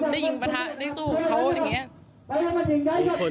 ได้ยินประทะได้สู้เขาอย่างนี้